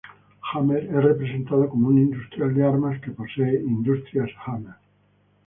Hammer es representado como un industrial de armas que posee Industrias Hammer.